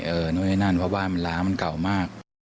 เออนั่นเพราะว่ามันล้ำมันเก่ามาก